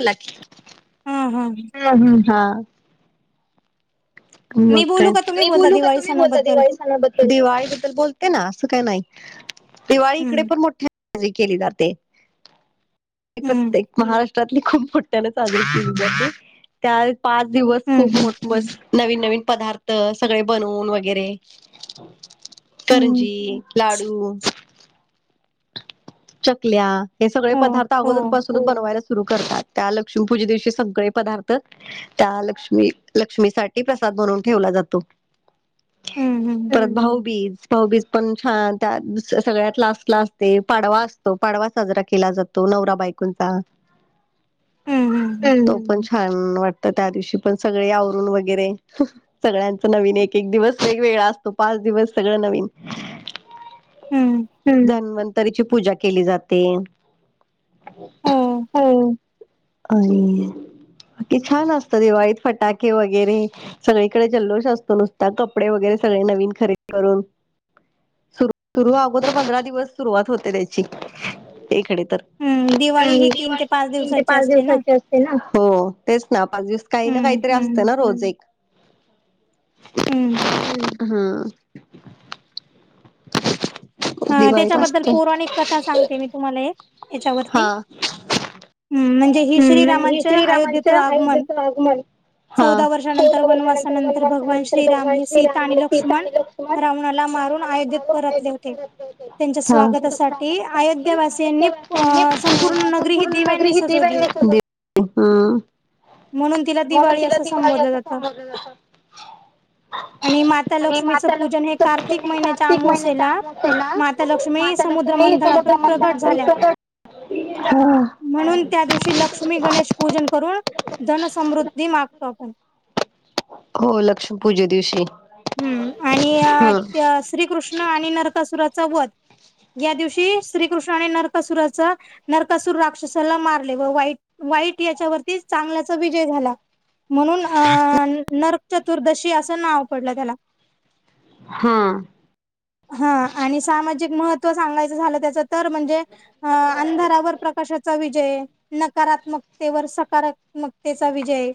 लाकी हम हम ह. हा. मग काय मी बोलू का तुम्ही बोलता दिवाळी सणाबद्दल दिवाळी बद्दल बोलते ना असं काही नाही दिवाळी इकडे पण मोठ. केली जाते प्रत्येक महाराष्ट्र खूप मोठ्याने साजरी के त्या पाच दिवस खूप मोठ मज नवीन नवीन पदार्थ सगळे बनवून वगैरे करंजी लाडू. चकल्या हे सगळे पदार्थ अगोजूनपासून बनवायला सुरू करतात. त्या लक्ष्मी पूजे दिवशी सगळे पदार्थ त्या लक्ष्मी लक्ष्मीसाठीठी प्रसाद म्हणून ठेवला जातो. परत भाऊबीज भाऊबीज पण छान त्याऱ्या सगळ्यात लास्ट्ला ते पाडवा असतो पाडवा साजरा केला जातो नवरा बायकोंचा तो पण छान वाटत त्या दिवशी पण सगळे आवरून वगैरे सगळ्यांचं नवीन एक एक दिवस वेगवेगळा असतो पाच दिवस सगळं नवीन हम् धन्वंत. तरीची पूजा केली जाते. अरे की छान असत दिवाळीत फटाके वगैरे सगळीकडे जल्लोष असतो नुसता कपडे वगैरे सगळे नवीन खरेदी करून सुरु सुरु अगोदर पंधरा दिवस सुरुवात होते त्याची एकडे तर हम दिवाळी ही तीन ते पाच तीन ते पाच दिवसाची असते ना हो तेच ना पाच दिवस काही ना काहीतरी असतं ना रोज एक हम. हा त्याच्याबद्दल पौराणिक कथा सांगते मी तुम्हाला एक याच्यावरती हम्म म्हणजे ही श्रीरामाच्या अयोध्येचं आगमन चौदा वर्षानंतर वनवासानंतर भगवान श्रीराम हे सीता आणि लक्ष्मण रावणाला मारून अयोध्येत परतले होते. ह. त्यांच्या स्वागतासाठी अय संपूर्ण नगरी ह. हा. म्हणून तिला दिवाळी असं समजलं. आणि माता लक्ष्मीच पूजन हे कार्तिक महिन्याच्या अगोदर माता लक्ष्मी समुद्रमंथनातून प्रकट झाल्या. म्हणून त्या दिवशी लक्ष्मी गणेश पूजन करून धन समृद्धी मागतो आपण हो लक्ष्मी पूजे दिवशी हम्म आणि श्रीकृष्ण आणि नरकासुराचा वध या दिवशी श्रीकृष्ण आणि नरकासुराच नरकासूर राक्षसाला मारले व वाईट वाईट याच्यावरती चांगल्याचा विजय झाला. म्हणून अं नरकचतुर्दशी असं नाव पडलं त्याला हा. हा आणि सामाजिक महत्व सांगायचं झालं त्याच तर म्हणजे अ अंधारावर प्रकाशाचा विजय. नकारात्मकतेवर सकारात्मकतेचा विजय.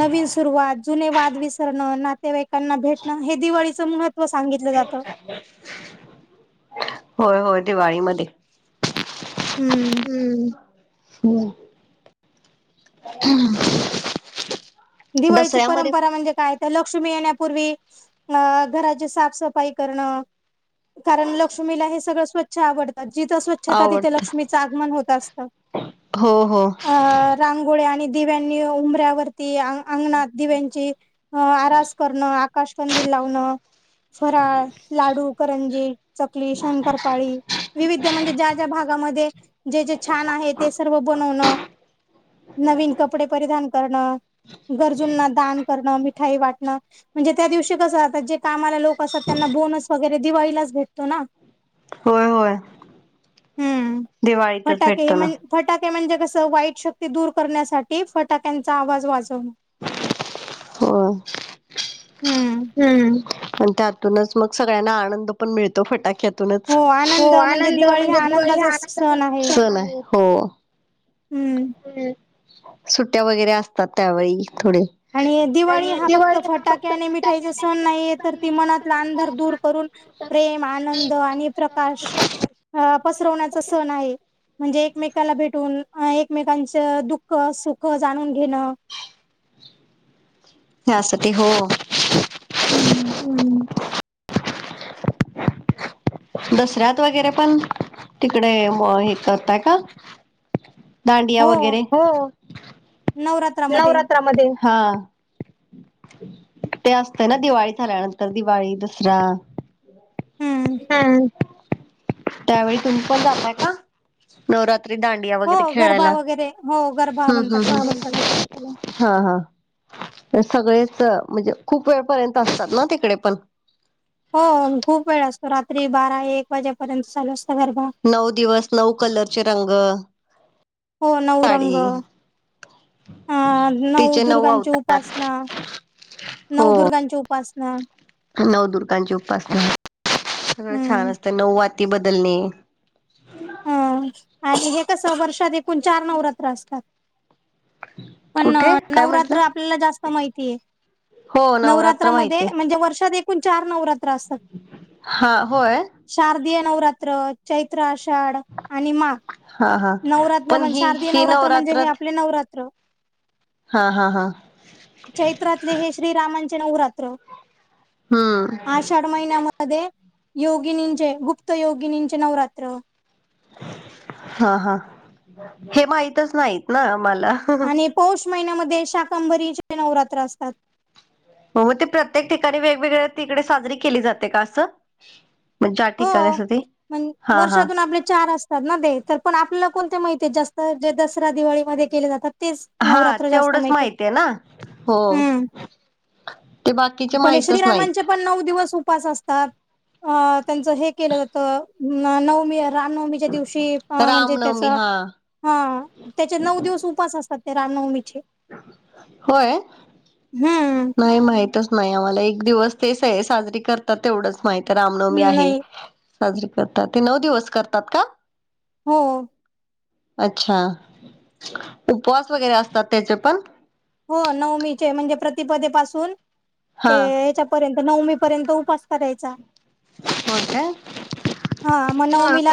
नवीन सुरुवात. जुने वाद विसरणं. ना नातेवाईकांना भेटणं. हे दिवाळीचं महत्त्व सांगितलं जातं. होय होय दिवाळीमध्ये. हम्म. हम्म. दिवाळीची परंपरा म्हणजे काय? त्या लक्ष्मी येण्यापूर्वी. अ घराची साफसफाई करणं. कारण लक्ष्मीला हे सगळं स्वच्छ आवडत. जिथं स्वच्छ छता तिथे लक्ष्मीचं आगमन होत असत. अ रांगोळ्या आणि दिव्यांनी. उंबऱ्यावरती अंगणात दिव्यांची आरास करणं. आकाशकंदील लावणं. फराळ, लाडू, करंजी, चकली, शंकरपाळी. विविध म्हणजे. ज्या ज्या भागामध्ये. जे जे छान आहे. ते सर्व बनवणं. नवीन कपडे परिधान करणं. गरजूंना दान करणं. मिठाई वाटणं. म्हणजे त्या दिवशी कसं आता. जे कामाला लोक असतात. त्यांना बोनस वगैरे दिवाळीलाच भेटतो ना. होय होय. दिवाळीतच भेटतो ना. फटाके म्हणजे कसं. वाईट शक्ती दूर करण्यासाठी. फटाक्यांचा आवाज वाजवण. हो. हम्म अन त्यात तूनच मग सगळ्यांना आनंद पण मिळतो. फटाक्यात हो आनंद म्हणजे दिवाळी हा आनंदाचा सण आहे. हो. सुट्ट्या वगैरे असतात. त्यावेळी थोडे. आणि दिवाळी हा फक्त फटाक्या आणि मिठाईचा सण नाहीये तर ती मनातला अंधार दूर करून प्रेम, आनंद आणि प्रकाश. अ पसरवण्याचा सण आहे. म्हणजे एकमेकाला भेटून. एकमेकांच दुःख-सुख जाणून घेणं. त्यासाठी हो. हम्म. हम्म. दसऱ्यात वगैरे पण तिकडे, हे करता का? दांडिया वगैरे. हो नवरात्रामध्ये. हा. ते असत ना. दिवाळी झाल्यानंतर. दिवाळी- दसरा. हम्म. त्यावेळी तुम्ही पण जाता का? नवरात्री दांड दांडिया वगैरे खेळायला. हम्म हम्म हम्म. हा हा. सगळेच, म्हणजे खूप वेळपर्यंत असतात ना. तिकडे पण. हो खूप वेळ असतो. रात्री बारा एक वाजेपर्यंत चालू असतो गरबा. नऊ दिवस. नऊ कलरचे रंग. हो, नऊ रंग. अ नवदुर्गांची उपासना. नवदुर्गांची उपासना. हा. नऊदुर्गांची उपासना. सगळं छान असतं. नऊवाती बदलणे. ह. आणि हे कसं. वर्षात एकूण चार नवरात्र असतात. पण नवरात्र आपल्याला जास्त माहितीय. नवरात्रामध्ये म्हणजे वर्षात एक एकूण चार नवरात्र असतात. शारदीय नवरात्र. चैत्र आष षाड आणि माघ. नवरात्र म्हणजे शारदीय नवरात्र म्हणजे हे आपले नवरात्र. हा, हा, हा. चैत्रातले हे श्रीरामांचे नवरात्र. आषाढ महिन्यामध्ये. योगिनींचे गुप्त योगिनींचे नवरात्र. हा हा. हे माहितच नाहीत ना अम्हाला. आणि पौष महिन्यामध्ये शाकंभरीचे नवरात्र असतात. हो मग ते प्रत्येक ठिकाणी वेगवेगळ्या तिकडे साजरी केली जाते का असं. म्हणजे ज्या ठिकाणी असती हा -हा. [unintelligible] आप चार अस. चार असतात ना ते तर पण आपल्याला कोणते माहिती जास्त जे दसरा दिवाळीमध्ये केले जातात. तिच नवरात्र जास्त माहिती [inaudible] हम्म. [inaudible] पण श्रीरामांचे पण नऊ दिवस उपास असतात. त्यांच हे केलं जातं नवमी. रामनवमीच्या दिवशी म्हणजे त्याच. हा त्याचे नऊ दिवस उपास असतात ते रामनवमीचे. होय. हम्म. नाही माहितच नाही आम्हाला एक दिवस तेच आहे साजरी करतात तेवढंच. माहित रामनवमी आहे साजरी करतात ते नऊ दिवस करतात का? हो. अच्छा [inaudible] उपवास वगैरे असतात त्याचे पण. हो नवमीचे म्हणजे प्रतिपदे पाासून ते याच्या. पर्यंत नऊमी पर्यंत उपास करायचा. [inaudible] हो का. हा मग नवमीला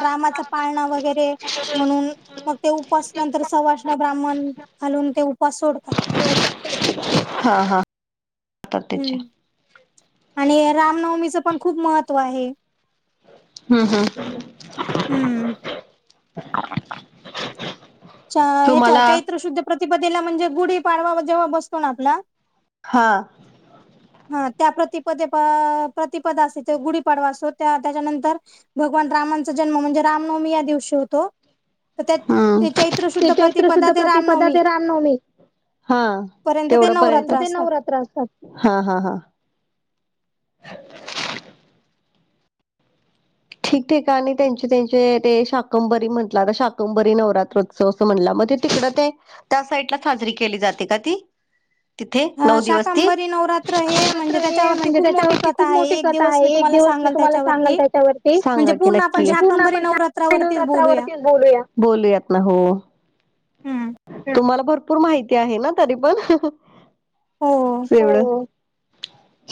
रामाचं पाळणं वगैरे म्हणून. मग ते उपास नंतर सवाषण ब्राह्मण खालून ते उपास सोडतात. [unintelligible] हा हाात त्याच्या. आणि रामनवमीचं पण खूप महत्त्व आहे. हम्म हम्. [inaudible] हम्म. [inaudible] ह्याच्या चैत्र शुद्ध प्रतिपदेला म्हणजे गुढी पाडवा जेव्हा बसतो ना आपला हा हा त्या प्रतिपदे [inaudible] प्रतिपद असायचं गुढीपाडवा असतं. त्या त्याच्यानंतर भगवान रामांचा जन्म म्हणजे रामनवमी या दिवशी होतो तर त्यात. ते चैत्रशुद्ध प्रतिपदा ते राम नवमी. हा तेवढ पर्यंत नवरात्र असतात हा हा हा. ठीकठका आणि त्यांचे त्यांचे ते शाकंबरी म्हंटलं आता शाकंबरी नवरात्र. अस म्हण मग तिकड ते त्या साईडला साजरी केली जाते का ती. तिथे नऊ दिवस, रात्र हे म्हणजे त्याच्यावरती खूप मोठी. कथा आहे एक दिवस मी तुम्हाला सांगाल त्याच्यावरती. सांगा की नक्की पूर्ण आपण नवरात्रावरती बोलूया बोलूयात ना हो. हम्म. तुम्हाला भरपूर माहिती आहे ना तरी पण.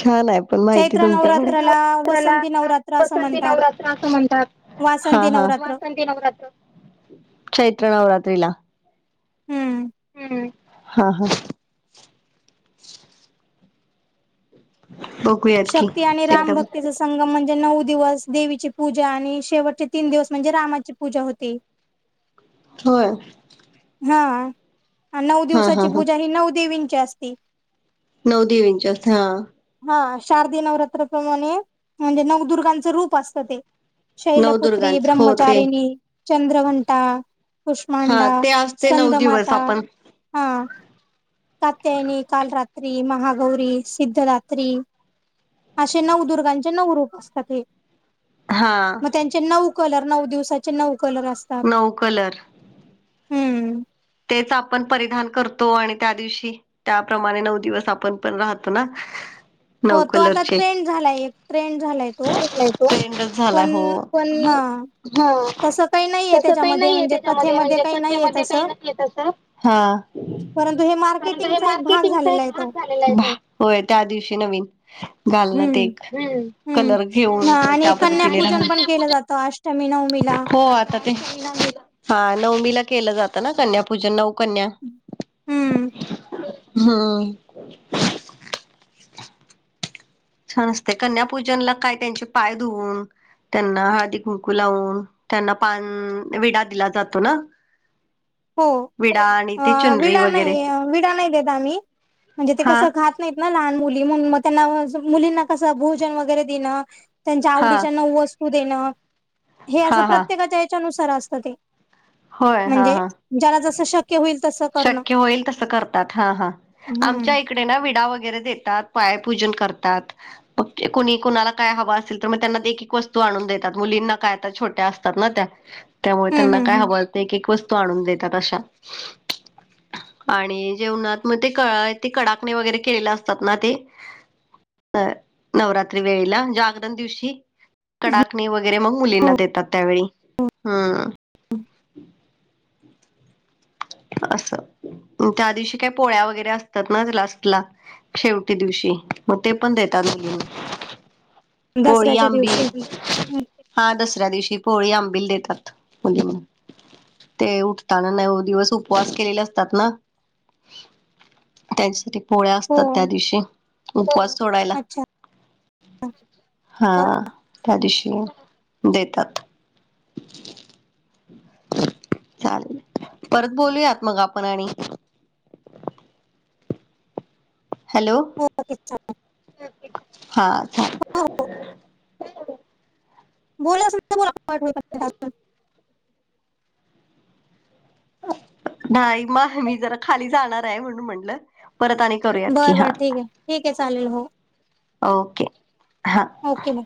छान ना आहे. पण माहिती तुमच्या चैत्र नवरात्रीला वसंती नवरात्र असं म्हणतात. वासती नवरात्र. चैत्र नवरात्रीला हा हा. [inaudible] ओके. शक्ती आणि राम भक्तीचा. संगम म्हणजे नऊ दिवस देवीची पूजा आणि शेवटचे तीन दिवस म्हणजे रामाची पूजा होती. होय. हा नऊ दिवसाची पूजा ही नऊदेवींची असती. नऊ देवींची असते. हा शारदी नवरात्रप्रमाणे म्हणजे नवदुर्गांचं रूप असतं ते. शैलपुत्री, ब्रह्मचारिणी, चंद्रवंटा, पुष्मांडा. स्कंदमाता हा. कात्यायनी, कालरात्री, महागौरी, सिद्धरात्री. असे नवदुर्गांचे नऊ रूप असतात हे. हां नऊ कलर नऊ दिवसाचे नऊ कलर असत. नऊ कलर. हम्म तेच आपण परिधान करतो आणि त्या दिवशी त्याप्रमाणे नऊ दिवस आपण पण राहतो ना हो तो आता ट्रेंड झालाय एक ट्रेंड झालाय तो ट्रेंडचं झाला हो पण हो तसं काही नाहीये त्याच्यामध्ये म्हणजे कख्यामध्ये काही नाही. हा पण मार्केटिंग पण होय त्या दिवशी नवीन. घालण ते कलर घेऊन त्या पद्धतीने राहून. केलं जातं. टमी नवमी ला हो आता ते हा नवमीला केलं जात ना कन्यापूजन नऊ. कन्या हम्म. छान असते कन्यापूजनला काय त्यांचे पाय धुवन. त्यांना हळदी कुंकू लावून त्यांना पान विडा दिला जातो ना. विडा आणि चुनरी वगैरे विडा नाही देत आम्ही म्हणजे ते कसं घात. नाहीत ना लहान मुली म्हण मग त्यांना मुलींना कसं भोजन वगैरे देणं त्यांच्या आवडीच्या नऊ वस्तू देणं हे असं प्रत्येकाच्या याच्यानुसार असतं ते होय हा हा ज्याला जस शक शक्य होईल तस शक्य होईल तस करतात हा हा आमच्या तिकडे ना विडा वगैरे देतात पायापूजन करतात कुणी कुणाला काय हवां असेल तर मग त्यांना एक एक वस्तू आणून देतात मुलींना काय आता छोट्या असतात ना त्या त्यामुळे त्यांना काय हं एक एक वस्तू आणून देतात अशा आणि जेवणात मग ते क ते कडाकने वगैरे केलेले असतात ना ते अ नवरात्री वेळेला जागरण दिवशी कडाकणी वगैरे मग मुलींना देतात त्यावेळी हम्म हो [unintelligible] असं त्या दिवशी काही पोळ्या वगैरे असतात ना लास्टला शेवटी दिवशी मग ते पण देतात मुलींना पोळी आंबील हा दसऱ्या दिवशी पोळी आंबिल देतात मुली म्ह ते उठताना नऊ दिवस उपवास केलेले असतात ना त्यांच्यासाठी पोळ्या असतात त्या दिवशी उपवास सोडायला हा त्या दिवशी देतात चालेल बोलूयात मग आपण आणि हॅलो हा हो बोलास मलाठव [unintelligible] नाही म [unintelligible] मी जरा खाली जाणार आहे म्हणून म्हटलं परत आणि करूयात की हा ओके हा ओके मॅ